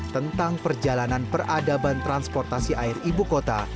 tentang perjalanan peradaban transportasi air ibu kota